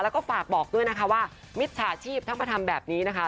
แล้วก็ฝากบอกด้วยนะคะว่ามิจฉาชีพถ้ามาทำแบบนี้นะคะ